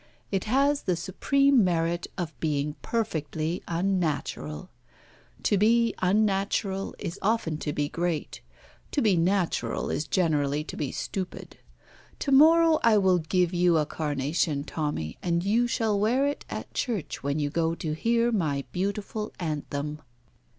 It has the supreme merit of being perfectly unnatural. To be unnatural is often to be great. To be natural is generally to be stupid. To morrow I will give you a carnation, Tommy, and you shall wear it at church when you go to hear my beautiful anthem."